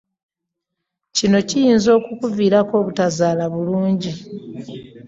Kino kirinza okukuviirako obutazaala bulungi.